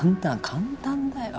簡単だよ。